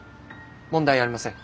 問題ありません。